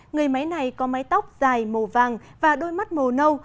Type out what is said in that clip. người máy này có mái tóc dài màu vàng và đôi mắt màu nâu